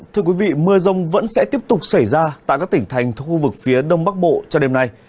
thưa quý vị mưa rông vẫn sẽ tiếp tục xảy ra tại các tỉnh thành thuộc khu vực phía đông bắc bộ cho đêm nay